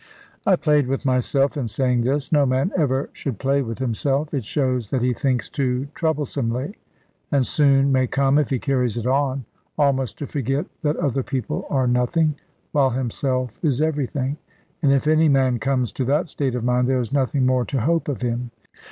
I played with myself, in saying this. No man ever should play with himself. It shows that he thinks too troublesomely; and soon may come, if he carries it on, almost to forget that other people are nothing, while himself is everything. And if any man comes to that state of mind, there is nothing more to hope of him.